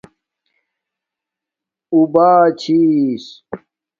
اُو باہ چھس